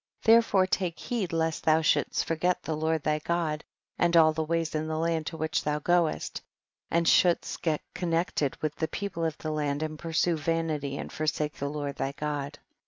26. Therefore take heed lest thon shouldst forget the Lord thy God and all his ways in the land to which thou goest, and shouldst get con nected with the people of the land and pursue vanity and forsake the Lord thy God.